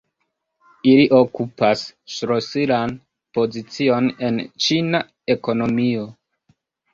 Ili okupas ŝlosilan pozicion en Ĉina ekonomio.